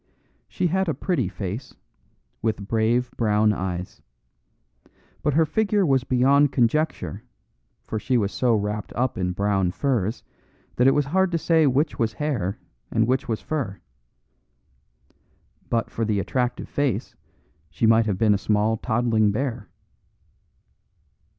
She had a pretty face, with brave brown eyes; but her figure was beyond conjecture, for she was so wrapped up in brown furs that it was hard to say which was hair and which was fur. But for the attractive face she might have been a small toddling bear.